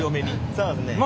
そうですね。